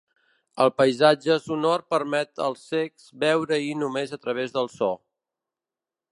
El paisatge sonor permet als cecs veure-hi només a través del so.